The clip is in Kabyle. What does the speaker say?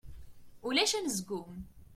Ulac anezgum.